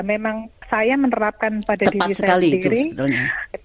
memang saya menerapkan pada diri saya sendiri